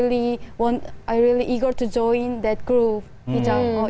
jadi setelah ini saya sangat ingin menyertai kumpulan hijab itu